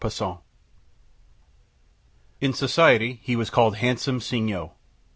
COWARD In society he was called "Handsome Signoles."